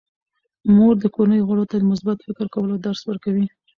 مور د کورنۍ غړو ته د مثبت فکر کولو درس ورکوي.